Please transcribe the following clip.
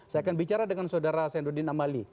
saya akan bicara dengan saudara saya ndudin amali